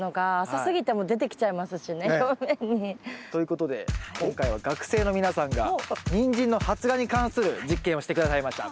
浅すぎても出てきちゃいますしね表面に。ということで今回は学生の皆さんがニンジンの発芽に関する実験をして下さいました。